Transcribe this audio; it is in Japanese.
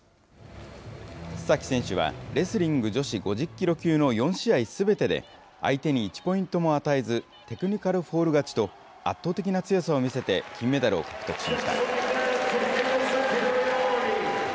須崎選手は、レスリング女子５０キロ級の４試合すべてで、相手に１ポイントも与えず、テクニカルフォール勝ちと、圧倒的な強さを見せて金メダルを獲得しました。